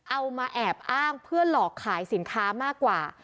เอามาแอบอ้างเพื่อหลอกขายสินค้ามากกว่า